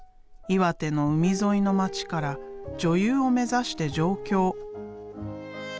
岩手の海沿いの町から女優を目指して上京。